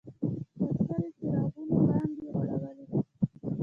پر سر یې څراغونو وړانګې غورځولې.